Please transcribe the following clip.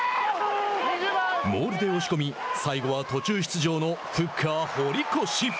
モールで押し込み最後は途中出場のフッカー堀越。